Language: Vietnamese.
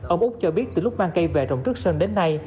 ông út cho biết từ lúc mang cây về rộng trước sân đến nay